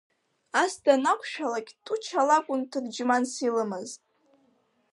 Ас данақәшәалакь Туча лакәын ҭырџьманс илымаз.